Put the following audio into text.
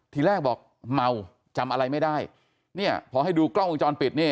ทีแรกบอกเมาจำอะไรไม่ได้เนี่ยพอให้ดูกล้องวงจรปิดนี่